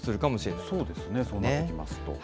そうですね、そうなってきま